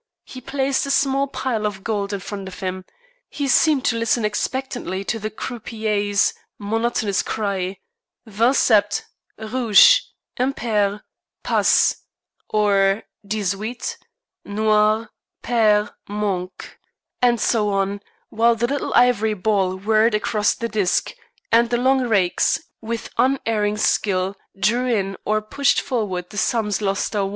He placed a small pile of gold in front of him; he seemed to listen expectantly to the croupier's monotonous cry "Vingt sept, rouge, impair, passe," or "Dixhuit, noir, pair, manque," and so on, while the little ivory ball whirred around the disc, and the long rakes, with unerring skill, drew in or pushed forward the sums lost or won.